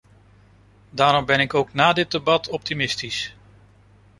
Daarom ben ik ook na dit debat optimistisch.